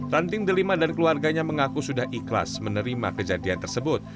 ranting delima dan keluarganya mengaku sudah ikhlas menerima kejadian tersebut